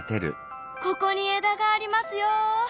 ここに枝がありますよ。